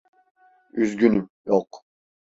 Üzgünüm, yok.